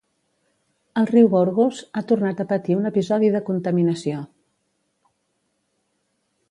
El riu Gorgos ha tornat a patir un episodi de contaminació.